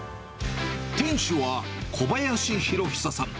店主は小林洋久さん。